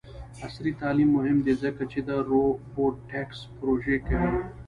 عصري تعلیم مهم دی ځکه چې د روبوټکس پروژې کوي.